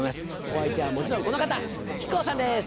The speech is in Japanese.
お相手はもちろんこの方木久扇さんです！